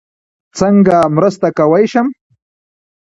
څنګه مرسته کوی شم؟